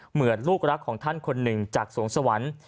เหมือนลูกรักของท่านคนหนึ่งจากสวงสวรรค์